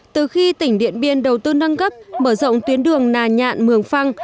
từ khi tỉnh điện biên đầu tư năng gấp mở rộng tuyến đường nà nhạn mường phăng